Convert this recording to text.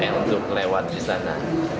untuk lewat di sana